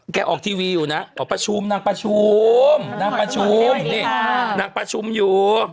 ออกทีวีอยู่นะขอประชุมนางประชุมนางประชุมนี่นางประชุมอยู่